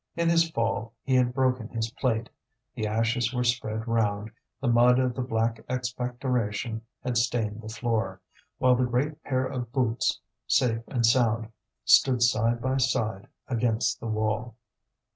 In his fall he had broken his plate, the ashes were spread round, the mud of the black expectoration had stained the floor; while the great pair of boots, safe and sound, stood side by side against the wall.